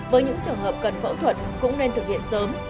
với những trường hợp cần phẫu thuật cũng nên thực hiện sớm